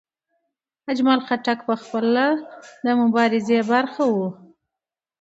اجمل خټک پخپله د مبارزې برخه و.